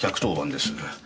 １１０番です。